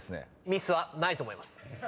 ミスはないと思います。